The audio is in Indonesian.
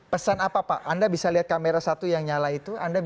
pesan apa pak anda bisa lihat kamera satu yang nyala itu